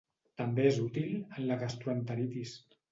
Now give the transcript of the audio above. També és útil en la gastroenteritis.